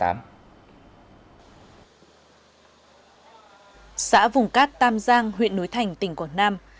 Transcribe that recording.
xã vùng cát tam giang huyện núi thành tỉnh quảng nam